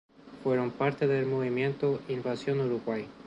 Fueron parte del movimiento "Invasión uruguaya".